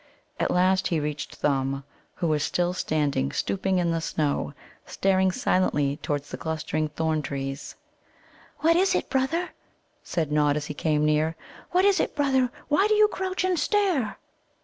At last he reached Thumb, who was still standing, stooping in the snow, staring silently towards the clustering thorn trees. "What is it, brother?" said Nod, as he came near. "What is it, brother? Why do you crouch and stare?"